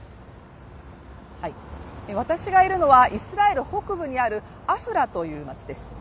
私がいるのはイスラエル北部にあるアフラという街です。